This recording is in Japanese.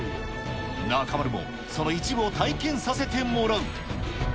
中丸も、その一部を体験させてもらう。